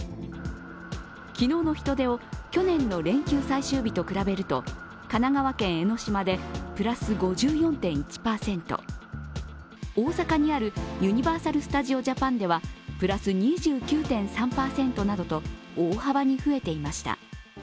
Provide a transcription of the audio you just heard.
昨日の人出を去年の連休最終日と比べると神奈川県・江の島でプラス５４．１％、大阪にあるユニバーサル・スタジオ・ジャパンではプラス２９．３％などと大幅に増えていました。